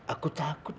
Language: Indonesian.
aku takut nih